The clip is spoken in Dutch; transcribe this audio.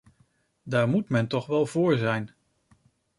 Daar moet men toch wel voor zijn!